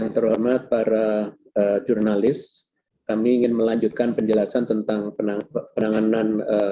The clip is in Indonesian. terhormat para jurnalis kami ingin melanjutkan penjelasan tentang penanganan